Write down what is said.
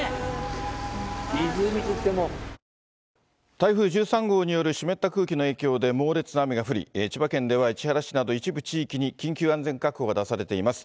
台風１３号による湿った空気の影響で猛烈な雨が降り、千葉県では市原市など一部地域に緊急安全確保が出されています。